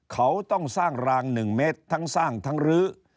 เขาต้องสร้างราง๑เมตรทั้งสร้างทั้งรื้อ